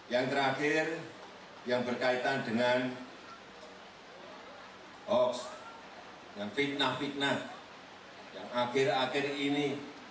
yang terakhir yang berkaitan dengan hoax dan fitnah fitnah yang akhir akhir ini